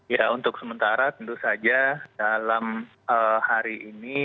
ya untuk sementara tentu saja dalam hari ini